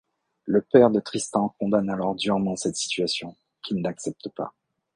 Le père de Tristan condamne alors durement cette situation, qu'il n'accepte pas.